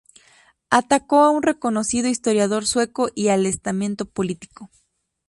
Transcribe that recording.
Atacó a un reconocido historiador sueco y al estamento político.